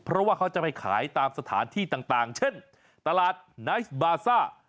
เพราะว่าเขาจะไปขายตามสถานที่ต่างเช่นตลาดไนท์บาซ่า